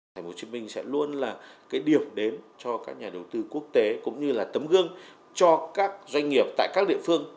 tp hcm sẽ luôn là cái điểm đến cho các nhà đầu tư quốc tế cũng như là tấm gương cho các doanh nghiệp tại các địa phương